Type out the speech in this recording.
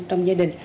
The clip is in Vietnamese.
trong gia đình